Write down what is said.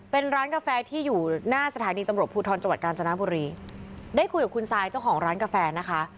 เป็นร้านกาแฟที่อยู่หน้าสถานีตำรวจภูทรจังหวัดกาญจนบุรีได้คุยกับคุณซายเจ้าของร้านกาแฟนะคะ